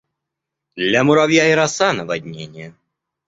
Для муравья и роса - наводнение.